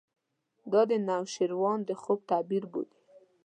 دا د نوشیروان د خوب تعبیر بولي.